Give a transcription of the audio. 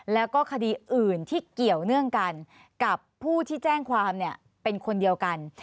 แล้วก็คดีอื่นที่เกี่ยวเนื่องกันกับผู้ที่แจ้งความเป็นคนเดียวกัน